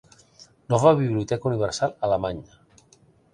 Nova Biblioteca Universal Alemanya